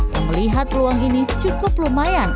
yang melihat peluang ini cukup lumayan